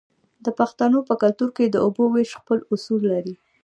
د پښتنو په کلتور کې د اوبو ویش خپل اصول لري.